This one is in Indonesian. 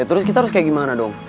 terus kita harus kayak gimana dong